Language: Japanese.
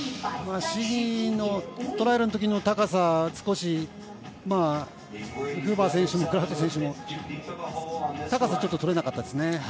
トライアルのときの高さ少しフーバー選手もクラフト選手も高さ、ちょっと取れなかったですね。